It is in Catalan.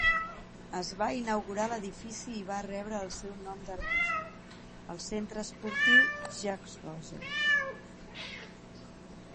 Es va inaugurar l'edifici i va rebre el seu nom de Rogge: "El Centre esportiu Jacques Rogge".